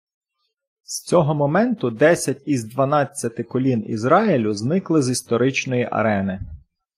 З цього моменту десять із дванадцяти колін Ізраїлю зникли з історичної арени.